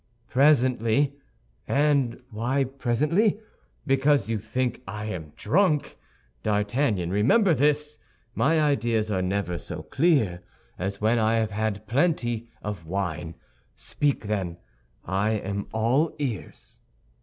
"Presently! And why presently? Because you think I am drunk? D'Artagnan, remember this! My ideas are never so clear as when I have had plenty of wine. Speak, then, I am all ears."